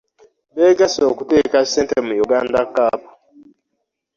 Beegasse okuteeka ssente mu Uganda Cup.